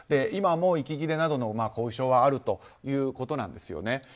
今も息切れなどの後遺症はあるということなんです。